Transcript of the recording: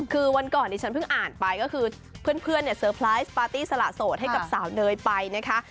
คือวันก่อนที่ฉันเพิ่งอ่านไปก็คือเพื่อนเนี่ยเซอร์ไพรส์ปาร์ตี้สละโสดให้กับสาวเนยไปนะคะ